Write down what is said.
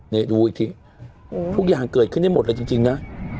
นี่ดูอีกทีทุกอย่างเกิดขึ้นได้หมดเลยจริงนะ